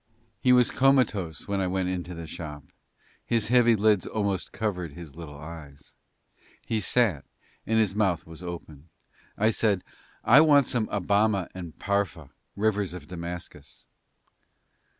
He was comatose when I went into the shop, his heavy lids almost covered his little eyes; he sat, and his mouth was open. I said, "I want some of Abama and Pharpah, rivers of Damascus."